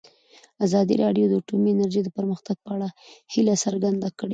ازادي راډیو د اټومي انرژي د پرمختګ په اړه هیله څرګنده کړې.